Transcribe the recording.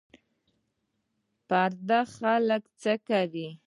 پردي خلک څه کوې